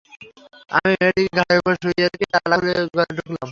আমি মেয়েটিকে ঘাড়ের উপর শুইয়ে রেখেই তালা খুলে ঘরে ঢুকলাম।